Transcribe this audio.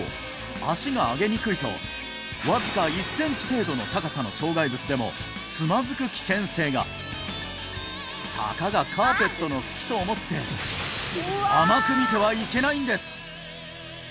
足が上げにくいとわずか１センチ程度の高さの障害物でもつまずく危険性がたかがカーペットのフチと思って甘く見てはいけないんです！